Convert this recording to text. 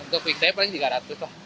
untuk weekday paling tiga ratus lah